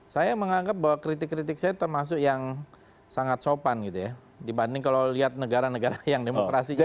saya menganggap bahwa kritik kritik saya termasuk yang sangat sopan gitu ya dibanding kalau lihat negara negara yang demokrasi kita